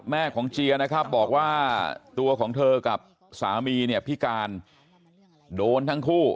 แม่ของเจียร์ก็บอกว่าสามีเขาพี่กาลโทษทั้งคู่